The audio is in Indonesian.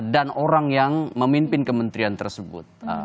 dan orang yang memimpin kementerian tersebut